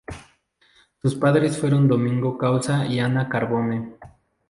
Sus padres fueron Domingo Causa y Ana Carbone.